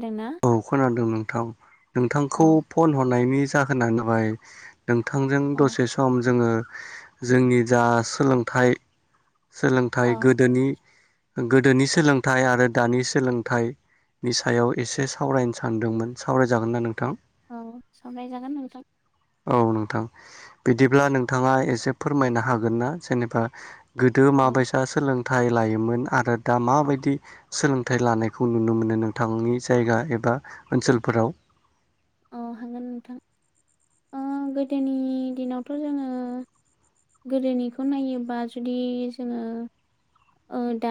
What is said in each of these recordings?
खोनादोंना औ खोनादों नोंथां नोंथांखौ अ फन हरनायनि जाहोना जाबाय नोंथांजों अ दसे सम जोङो जोंनि जा सोलोंथाइ सोलोंथाइ औ गोदोनि गोदोनि सोलोंथाइ आरो दानि सोलोंथाइ नि सायाव एसे सावरायनो सानदोंमोन सावरायजागोन्ना नोंथां? औ सावराय जागोन नोंथां औ नोंथां बिदिब्ला नोंथाङा एसे फोरमायनो हागोन ना जेनेबा गोदो औ माबायसा सोलों थाइ लायोमोन आरो दा माबायदि सोलोंथाइ लानायखौ नुनो मोनो नोंथांनि जायगा एब बा ओनसोलफोराव औ हागोन नोंथां ओ गोदोनि दिनावथ जोङो गोदोनिखौ नायोबा जुदि जोङो ओ दा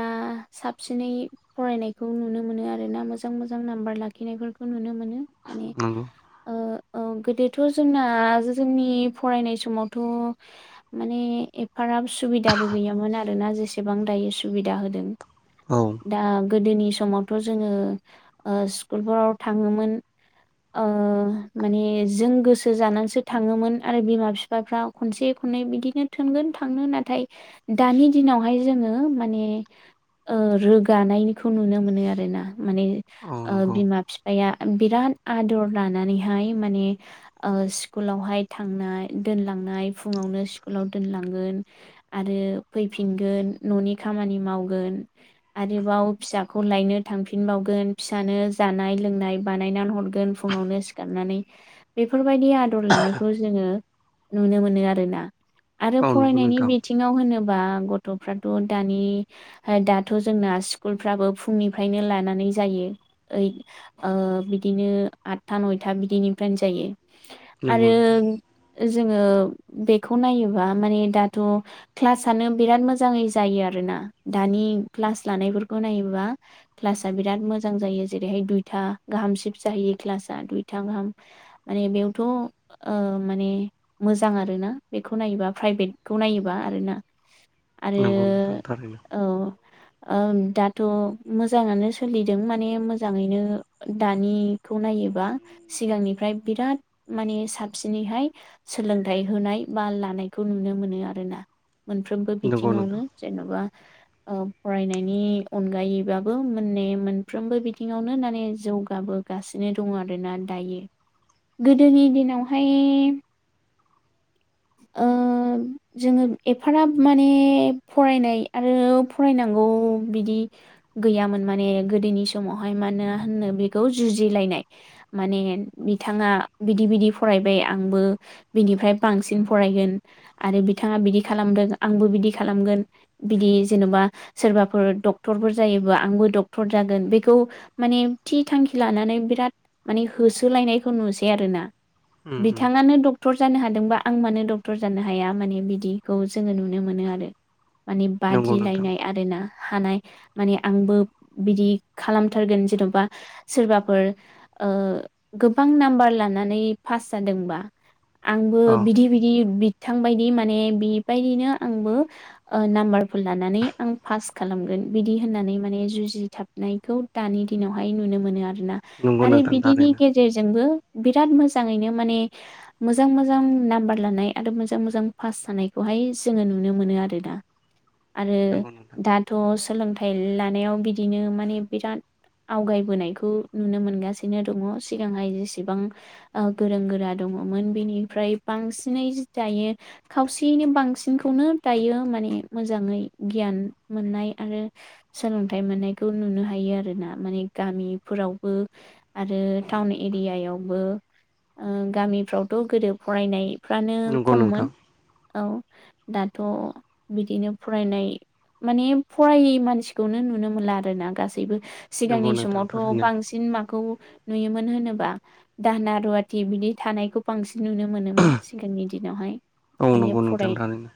साबसिनै फरायनायखौ नुनो मोनो आरोना मोजां मोजां नाम्बार लाखिनायफोरखौ नुनो मोनो माने नंगौ ओ औ गोदो थ जोंना जोंनि फरायनाय समावथ माने एफाराब सुबिदा बो गैयामोन आरोना जेसेबां दायो सुबिदा होदों औ दा गोदोनि समावथ जोङो स्कुलफोराव थाङोमोन ओ माने जों गोसो जानानैसो थाङोमोन आरो बिमा बिफाफ्रा खनसे खुनै बिदिनो थोनगोन थांनो नाथाय दानि दिनावहाय जोङो माने ओ रोगानायनिखौ नुनो मोनो आरोना माने औ ओ नंगौ बिमा फिफाया बिराद आदर लानानैहाय माने ओ स्कुलावहाय थांनाय दोनलां नाय फुङावनो स्कुलाव दोनलांगोन आरो फैफिनगोन ननि खामानि माव गोन आरोबाव फिसाखौ लायनो थांफिनबावगोन फिसानो जानाय लोंनाय बानायना हर गोन फुङावनो सिखारनानै बेफोर बायदि आदर लानायखौ जोङो नुनो मोनो आरोना आरो औ नंगौ फरायनायनि नोंथां बिथिङाव होनोबा गथफ्राथ दानि हो दा थ जोंना स्कुलफ्राबो फुंनिफ्रायनो लानानै जायो ओइद ओ बिदिनो आठथा नयथा बिदिनिफ्रायनो जायो नंगौ आरो नोंथां जोङो बेखौ नायोबा माने दाथ क्लासनो बिराद मोजाङै जायो आ रोना दानि क्लास लानायफोरखौ नायोबा क्लास आ बिराद मोजां जायो जेरैहाय दुइथा गाहाम सिब जाहै क्लास दुइथा गाहाम माने बेयावथ ओ माने मोजां आरोना बेखौ नायोबा प्राइभेटखौ नायोबा आरोना आरो नंगौ नोंथां थारैनो औ ओ दाथ मोजाङानो सोलिदों माने मोजाङैनो दानि खौ नायोबा सिगांनिफ्राय बिराद माने साबसिनैहाय सोलोंथाइ होनाय बा लानायखौ नुनो मोनो आरोना मोनफ्रोमबो नंगौ नोंथां बिथिङावनो जेनबा अ फरा फरायनायनि अनगायैबाबो मोनने मोनफ्रोमबो बिथिङावनो माने जौगाबोगासिनो दङ आरोना दायो गोदोनि दिनावहाय ओ जोङो एफाराब माने फरायनाय आरो फरायनांगौ बिदि गैयामोन माने गोदोनि समावहाय माना होनो बेखौ जुजिलायनाय माने बिथाङा बिदि बिदि फरायबाय आंबो बिनिफ्राय बां सिन फरायगोन आरो बिथाङा बिदि खालामदों आंबो बिदि खालामगोन बिदि जेनबा सोरबाफोर डक्टरफोर जायोबा आंबो डक्टर जागोन बेखौ माने थि थांखि लानानै बिराद माने होसोलायनायखौ नुसै आरोना उम उम बिथाङानो डक्टर जानो हादोंबा आं मानो डक्टर जानो हाया माने बिदिखौ जोङो नुनो मोनो आरो माने नंगौ नोंथां बादिलायनाय आरो ना हानाय माने आंबो बिदि खालामथारगोन जेनबा सोरबाफोर ओ गोबां नाम्बार लानानै पास जादोंबा आं औ बिदि बिदि बिद -थांबायदि माने बेबायदिनो आंबो नाम्बारफोर लानानै आं पास खालामगोन। बिदि होननानै माने जुजिथाबनायखौ दानि दिनावहाय नुनो मोनो आरो। आरोना नंगौ आरो नोंथां बिदिनि थारैनो गेजेरजोंबो बिराद मोजाङैनो माने मोजां मोजां नाम्बार लानाय आरो मोजां मोजां पास जानायखौहाय जोङो नुनो मोनो आरो ना। आरो नंगौ नोंथां दाथ' सोलोंथाइ लानायाव बिदिनो माने बिराद आवगायबोनायखौ नुनो मोनगासिनो दङ सिगांहाय जेसेबां ओ गोरों गोरा दङ दङोमोन बेनिफ्राय बांसिनै दायो खावसेयैनो बांसिनखौनो दायो माने मोजाङै गियाान मोननाय आरो सोलोंथाइ मोननायखौ नुनो हायो आरोना माने गामिफोरावबो आरो टाउन एरियायावबो ओ गामिफ्रावथ' गोरोब फरायनायफ्रानो नंगौ नोंथां खममोन। औ दाथ' बिदिनो फरायनाय माने फरायै मानसिखौनो नुनो मोनला आरोना गासैबो नंगौ सिगांनि नोंथां समावथ' थारैनो बांसिन माखौ नुयोमोन होनोबा दाहोना रुवाथि बिदि थानायखौ बांसिन नुनो मोनोमोन सिगांनि दिनावहाय औ माने नंगौ नोंथां फराय थारैनो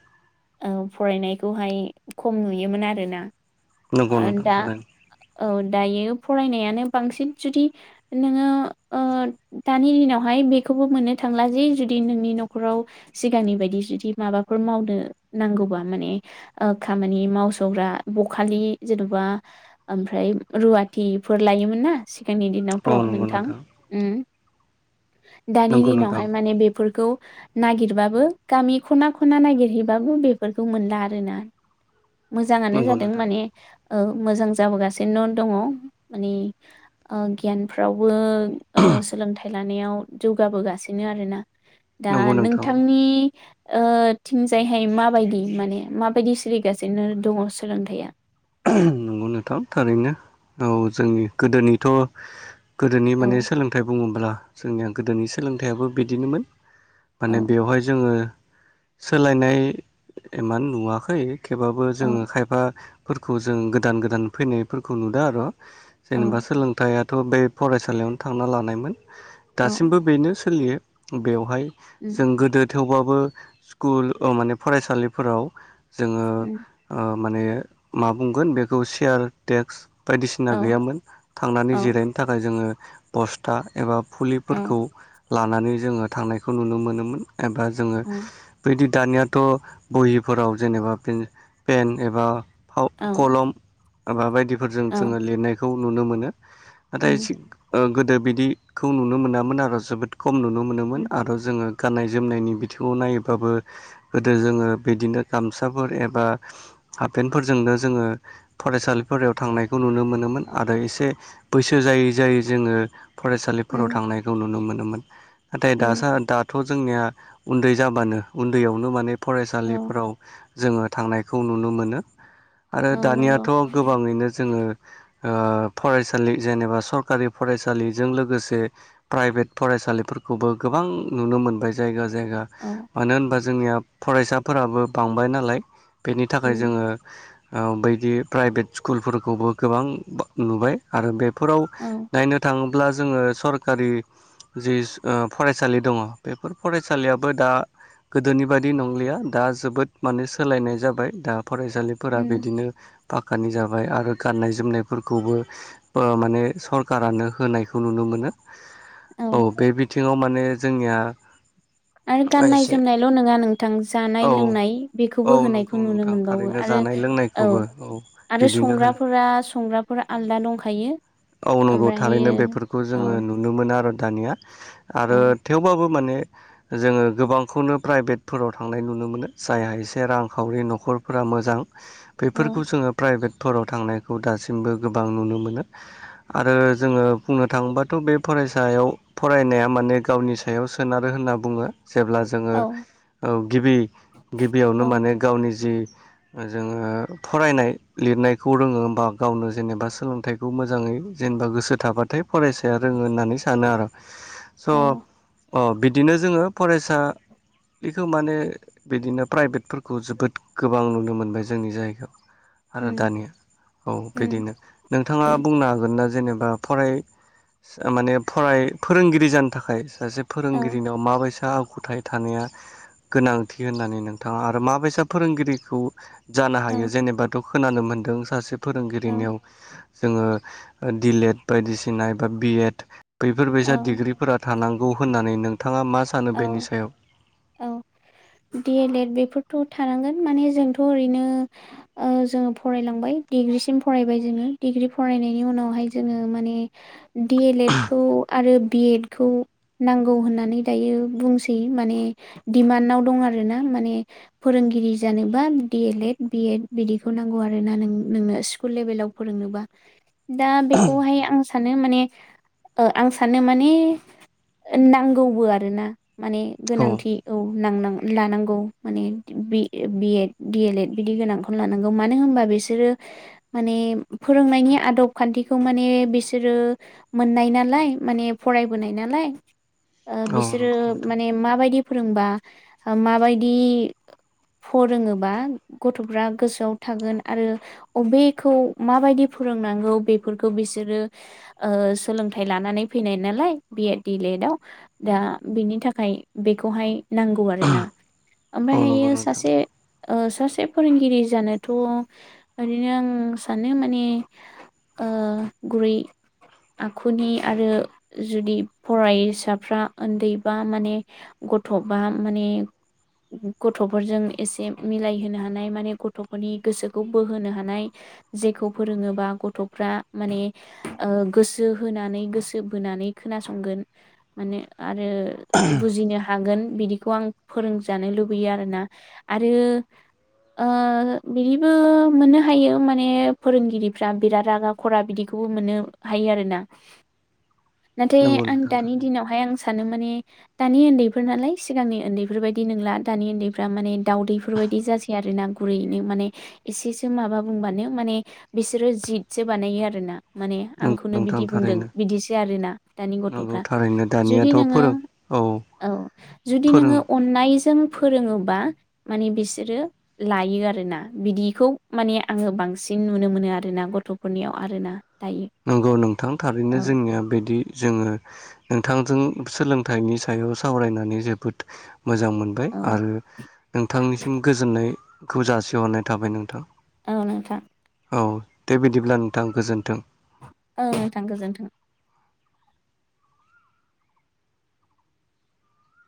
ओ फरायनायखौहाय खम नुयोमोन आरोना। नंगौ नोंथां दा थारैनो। औ दायो फरायनायानो बांसिन जुदि नोङो ओ दानि दिनावहाय बेखौबो मोनो - थांला जि जुदि नोंनि न'खराव सिगांनि बायदि जुदि माबाफोर मावनो नांगौबा माने ओ खामानि मावसग्रा बखालि जेन'बा ओमफ्राय रुवाथि -फोर लायोमोन ना सिगांनि औ दिनावथ' नंगौ नोंथां उम दानि नंगौ नोंथां दिनावहाय माने बेफोरखौ नागिरबाबो गामि खना खना नागिरहैबाबो बेफोरखौ मोनला आरोना मोजाङानो नंगौ जादों नोंथां माने औ मोजां जाबोगासिनो दङ माने ओ गियानफ्रावबो ओ सोलोंथाइ लानायाव जौगाबोगासिनो आरोना दा नंगौ नोंथां नोंथांनि ओ थिंजायहाय माबायदि माने माबायदि सोलिगासिनो दङ सोलोंथाइया नंगौ नोंथां थारैनो औ जोंनि गोदोनिथ' गोदोनि माने औ सोलोंथाइ बुङोब्ला जोंनिया गोदोनि सोलोंथाइयाबो बिदिनोमोन औ माने बेवहाय जोङो सोलायनाय एमान नुवाखै थेवबाबो औ जोङो खायफाफोरखौ जों गोदान गोदान फैनायफोरखौ नुदों आरो औ जेनेबा सोलोंथाइयाथ' बे फरायसालियावनो थांना लानायमोन औ दासिमबो बेनो सोलियो बेवहाय उम जों गोदो थेवब्लाबो स्कुल अ' माने फरायसालिफोराव जोङो उम ओ माने मा बुंगोन बेखौ सेयार टेक्स बायदिसिना औ गैयामोन थांनानै औ जिरायनो थाखाय जोङो बस्था एबा औ फुलिफोरखौ लानानै जोङो थांनायखौ नुनो मोनोमोन। एबा जोङो औ बेदि दानियाथ' बहिफोराव जेनेबा पेन एबा फाव औ कलम एबा बायदिफोरजों जोङो औ लिरनायखौ नुनो मोनो। नाथाय उम ओ गोदो बिदिखौ नुनो मोनामोन आरो जोबोद खम नुनो मोनोमोन उम आरो जोङो गाननाय जोमनायनि बिथिङाव नायोबाबो गोदो जोङो बिदिनो गामसाफोर एबा हाबपेन -फोरजोंनो जोङो फरायसालिफोराव थांनायखौ नुनो मोनोमोन आरो एसे बैसो जायै जायै जोङो फरायसालिफोराव उम थांनायखौ नुनो मोनोमोन नाथाय उम दासा दाथ' जोंनिया उन्दै जाबानो उन्दैयावनो माने औ फरायसालिफोराव जोङो थांनायखौ नुनो मोनो आरो औ नंगौ दानियाथ' गोबाङैनो जोङो ओ फरायसालि जेनेबा सरकारि फरायसालिजों लोगोसे प्राइभेट फरायसालिफोर फोर खौबो गोबां नुनो मोनबाय जायगा ज जायगा औ मानो होनबा जोंनिया फरायसाफोराबो बांबाय नालाय बेनि थाखाय उम जोङो बायदि प्राइभेट स्कुलफोरखौबो गोबां नुबाय आरो बे फोराव औ नायनो थाङोब्ला जोङो सरखारि जि फरायसालि दङ बेफोर फरायसालियाबो दा गोदोनि बादि नंलिया दा जोबोद माने सोलायनाय जाबाय दा फरायसालि फोर उम बिदिनो ब थाखानि जाबाय आरो गाननाय जोमनायफोरखौबो माने सरखारारानो होनायखौ नुनो मोनो औ बे बिथिङाव माने जोंनिया आरो गाननाय एसे जोमनाय ल' नङा नोंथां जानाय औ लोंनाय औ बेखौबो नंगौ होनायखौ नुनो नोंथां मोनबावो थारैनो आरो जानाय औ लोंनायखौबो आरो बिदिनो होनो संग्राफोरा संग्राफोरा आलदा दंखायो औ नांगौ थारैनो ओमफ्रायहायो बेफोरखौ औ जोङो नुनो मोनो आरो दानिया औ आरो थेवबाबो माने जोङो गोबांखौनो प्राइभेटफोराव थांनाय नुनो मोनो जायहा एसे रांखावरि न'खरफोरा मोजां औ बेफोरखौ जोङो प्राइभेट फोराव थांनायखौ दासिमबो गोबां नुनो मोनो आरो जोङो बुंनो थाङोबाथ' बे फराय सायाव फरायनाया माने गावनि सायाव सोनारो होनना बुङो जेब्ला जोङो औ गिबि गिबियावनो औ माने गावनि जि जोङो फरायनाय लिरनायखौ रोङो बा गावनो जेनेबा सोलोंथाइखौ मोजाङै जेनेवा गोसो थाबाथाय फरायसाया रोङो होननानै सानो आरो औ स' बिदिनो जोङो फरायसा बेखौ माने बिदिनो प्राइभेटफोरखौ जोबोद गोबां नुयो जब मोनबाय जोंनि जायगायाव आरो उम दानिया औ उम बिदिनो नोंथाङा बुंनो हागोना जेनेबा फराय माने फराय फोरोंगिरि जानो थाखाय सासे औ फोरोंगिरिनाव माबायसा आखुथाय थानाया गोनांथि होननानै नोंथाङा आरो माबसा फोरोंगिरिखौ जानो हायो औ जेनेबाथ' खोनानो मोनदों सासे फोरोंगिरिनियाव जोङो दिलेएड बायदिसिना एबा बिएड बैफोरबायसा औ डिग्रिफोरा थानांगौ होननानै नों औ औ रिलेएड बेफोरथ' थानांगोन माने जोंथ' ओरैनो ओ जोङो फरायलांबाय डिग्रिसिम फरायबाय जोङो डिग्रि फराय दिनैनि उनाव हाइ जोंङो माने माने दिड एल एड खौ आरो बि एड खौ नांगौ होननानै दायो बुंसै माने दिडिमानङाआव दं आर ना माने फोरोंगिरि जानोबा डि एलएड बि एड बिदिखौ नांगौ आरो ना नों नोंनो स्कुल लेभेलाव फोरोंनोबा। दा बेखौहाय आं सानो माने आं सानो माने नांगौबो आरो ना माने गोनांथि औ लानांगौ माने B Ed D El Ed बिदि गोनांखौनो लानांगौ मानो होनबा बिसोरो माने फोरोंनायनि आदब खान्थिखौ माने बिसोरो मोन नालाइ माने फराइबोनाइ नालाइ औ बिसोरो नंगौ नोंथां माने माबाइदि फोरोंबा मा बायदि फोरोङोबा गथ'फ्रा गोसोआव थागोन आरो अबेखौ मा बायदि फोरोंनांगौ बेफोरखौ बिसोरो सोलोंथाइ लानानै फैनाय नालाय बि एद डिलेत दा बिनि थाखाय बेखौहाय नांगौ आरो ना। औ नंगौ ओमफ्रायहायो नोंथां सासे सासे फोरोंगिरि जानोथ' ओरैनो आं सानो माने गुरै आखुनि आरो जुदि फरायसाफ्रा उन्दैबा माने गथ'बा माने गथ'फोरजों एसे मिलायहोनो हानाय माने गथ'फोरनि गोसोखौ बोहोनो हानाय जेखौ फोरोङोबा गथ'फ्रा माने गोसो होनानै गोसो बोनानै खोनासंगोन माने आरो बुजीनो हायो हागोन बिदिखौ आं फोरोंजानो लुबैयो आरोना आरो ओ बिदिबो मोननो हायो माने फोरोंगिरिफ्रा बिराद रागा खरा बिदिखौ ह मोनफायो आरो ना नाथाय नंगौ नोंथां दानि थारैनो दिनाव सानो माने दानि उन्दैफोर नालाय सिगांनि उन्दैफोरबायायदि नंला दानि उन्दैफ्रा माने दाावदैफोर जासे आरो ना माने गुरि माने बिसोरो ब आरोना माने नंगौ आंखौनो नोंथां बिदि बुंदों थारैनो बिदिसो आरोना दानि नंगौ गथ'फ्रा थारैनो जुदि दानियाथ' नोङो फोरों औ जुदि नोङो फोरों अन्नायजों फोरोङो बा माने बिसोरो लायो आरोना बिदिखौ माने आङो बांसिन नुनो मोनो आरोना गथ'फोरनियाव आरोना दायो नंगौ नोंथां औ थारैनो जोंनिया बिदि जोङो नोंथांजों सोलोंथाइनि सायाव सावरायनानै जोबोद मोजां मोनबाय औ आरो नोंथांनिसिम गोजोननायखौ जासिहरनाय थाबाय नोंथां औ नोंथां औ देबायदिब्ला नोंथां गोजोन्थों ओ नोंथां गोजोनथों